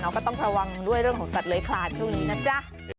ก็ต้องระวังด้วยเรื่องของสัตว์เลื้อยคลานช่วงนี้นะจ๊ะ